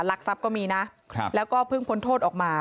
รักทรัพย์ก็มีนะแล้วก็เพิ่งพ้นโทษออกมา